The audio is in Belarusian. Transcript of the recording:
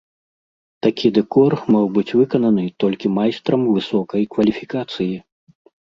Такі дэкор мог быць выкананы толькі майстрам высокай кваліфікацыі.